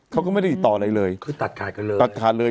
เขาก็ไม่ได้ติดต่ออะไรเลย